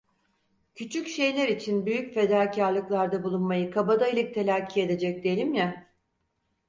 Küçük şeyler için büyük fedakarlıklarda bulunmayı kabadayılık telakki edecek değilim ya?